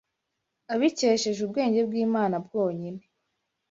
abikesheje ubwenge bw’Imana bwonyine